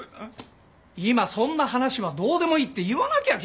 今そんな話はどうでもいいって言わなきゃ君！